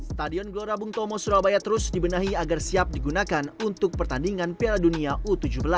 stadion gelora bung tomo surabaya terus dibenahi agar siap digunakan untuk pertandingan piala dunia u tujuh belas